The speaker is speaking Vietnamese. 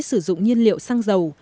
sử dụng nhiên liệu xăng dầu